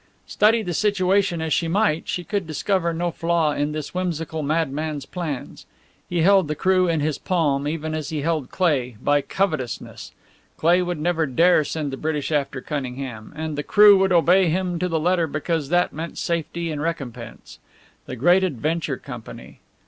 Study the situation as she might, she could discover no flaw in this whimsical madman's plans. He held the crew in his palm, even as he held Cleigh by covetousness. Cleigh would never dare send the British after Cunningham; and the crew would obey him to the letter because that meant safety and recompense. The Great Adventure Company!